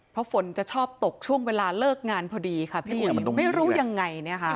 เพราะฝนจะชอบตกช่วงเวลาเลิกงานพอดีค่ะพี่ไม่รู้ยังไงเนี่ยค่ะ